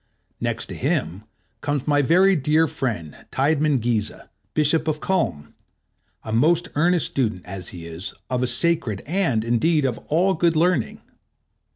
Next to him comes my very dear friend, Tidemann Giese, Bishop of Culm, a most earnest student, as he is, of sacred and, indeed, of all good learning.